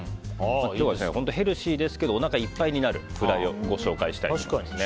今日は本当、ヘルシーですけどおなかいっぱいになるフライをご紹介したいと思います。